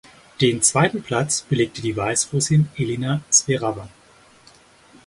Den zweiten Platz belegte die Weißrussin Elina Swerawa.